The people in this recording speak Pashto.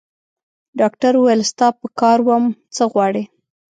ډاکټر وویل: ستا زه په کار وم؟ څه غواړې؟